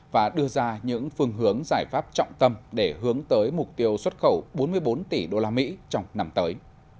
và đưa ra những phương hướng giải pháp trọng tâm để hướng tới mục tiêu xuất khẩu bốn mươi bốn tỷ usd trong năm tới